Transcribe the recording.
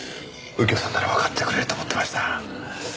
右京さんならわかってくれると思ってました。